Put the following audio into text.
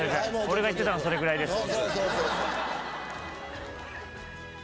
俺が言ってたのそれぐらいです。